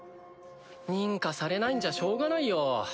認可されないんじゃしょうがないよ。